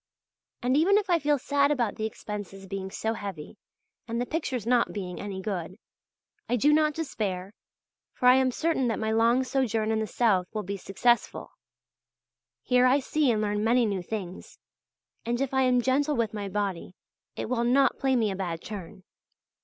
And even if I feel sad about the expenses being so heavy and the pictures not being any good, I do not despair, for I am certain that my long sojourn in the south will be successful. Here I see and learn many new things, and if I am gentle with my body, it will not play me a bad turn.